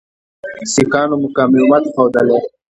سیکهانو مقاومت ښودلی.